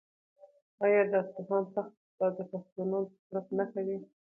آیا د اصفهان تخت به د پښتنو د قدرت نښه وي؟